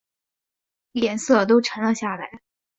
脸色都沉了下来